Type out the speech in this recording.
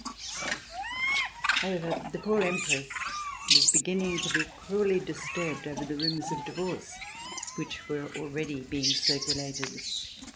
However, the poor Empress was beginning to be cruelly disturbed over the rumors of divorce which were already being circulated.